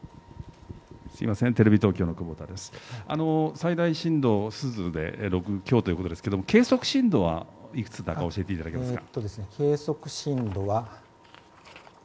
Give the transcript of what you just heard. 最大震度、珠洲で６強ということですが計測震度はいくつか教えていただけますか。